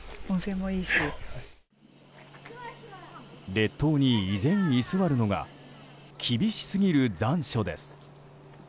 列島に依然、居座るのが厳しすぎる残暑です。